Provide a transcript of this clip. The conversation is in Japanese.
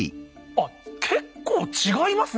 あっ結構違いますね